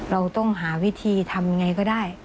เราต้องหาวิธีทำไงก็ได้